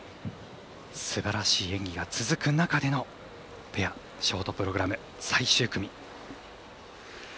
すばらしい演技が続く中でのペアショートプログラム最終組。